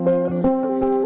lalu dia nyaman